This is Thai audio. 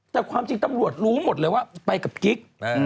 แต่ตำรวจรู้หมดเลยว่าไปกับกริก